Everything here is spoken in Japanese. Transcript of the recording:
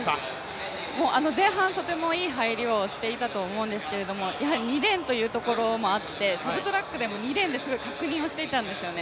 前半とてもいい入りをしていたと思うんですけれども２レーンというところもあってサブトラックでも、２レーンですごい確認をしていたんですよね。